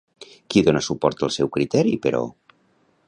Qui dona suport al seu criteri, però?